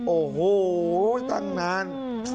โอ้โหตั้งนาน